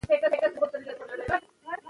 د اړیکو خرابوالی د غوسې د څپو پایله ده.